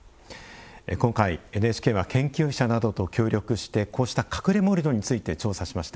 今回、ＮＨＫは研究者などと協力してこうした「隠れ盛土」について調査しました。